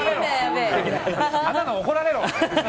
穴野、怒られろ！